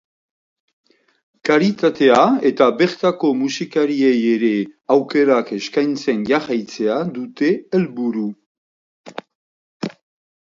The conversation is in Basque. Kalitatea, eta bertako musikariei ere, aukerak eskaintzen jarraitzea dute helburu.